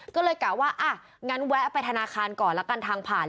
ก็เลยกะว่าอ่ะงั้นแวะไปธนาคารก่อนละกันทางผ่าน